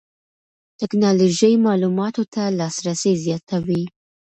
ټکنالوژي معلوماتو ته لاسرسی زیاتوي.